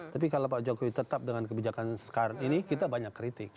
tapi kalau pak jokowi tetap dengan kebijakan sekarang ini kita banyak kritik